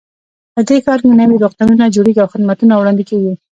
په دې ښار کې نوي روغتونونه جوړیږي او خدمتونه وړاندې کیږي